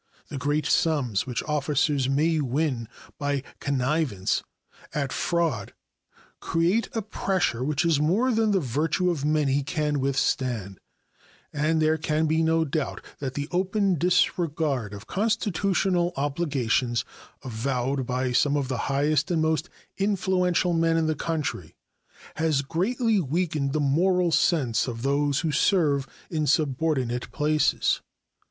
The great sums which officers may win by connivance at fraud create a pressure which is more than the virtue of many can withstand, and there can be no doubt that the open disregard of constitutional obligations avowed by some of the highest and most influential men in the country has greatly weakened the moral sense of those who serve in subordinate places.